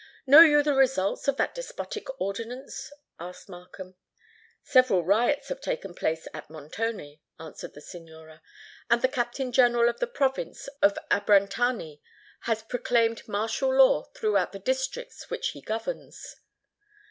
"Know you the results of that despotic ordinance?" asked Markham. "Several riots have taken place at Montoni," answered the Signora; "and the Captain General of the province of Abrantani has proclaimed martial law throughout the districts which he governs."